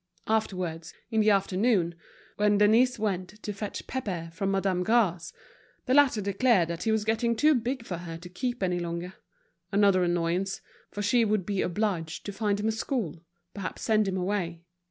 Afterwards, in the afternoon, when Denise went to fetch Pépé from Madame Gras's, the latter declared that he was getting too big for her to keep any longer; another annoyance, for she would be obliged to find him a school, perhaps send him away.